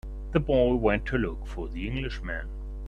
The boy went to look for the Englishman.